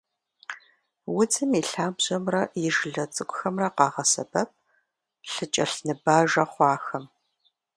Удзым и лъабжьэмрэ и жылэ цӏыкӏухэмрэ къагъэсэбэп лъыкӏэлъныбажэ хъуахэм.